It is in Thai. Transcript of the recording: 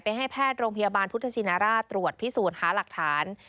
ให้แพทย์โรงพยาบาลพุทธชินราชตรวจพิสูจน์หาหลักฐาน